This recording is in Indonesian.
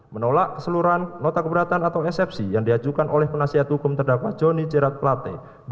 menolak keseluruhan nota keberatan atau eksepsi yang diajukan oleh penasihat hukum terdakwa joni jerat plate